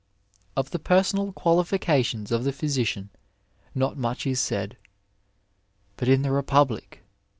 ^ Of the personal qualifications of the physician not much is said ; but in the BeptMic (III.